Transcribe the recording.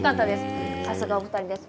さすが２人です。